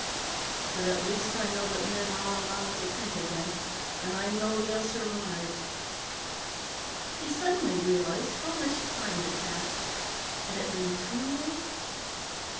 But at least I know that men are allowed to think again. And I know they'll survive." He suddenly realized how much time had passed. Had it been too long?